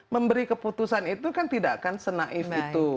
memberi keputusan itu tidak akan senaif